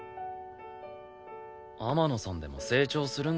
天野さんでも成長するんだな。